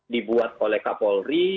dibuat oleh kapolri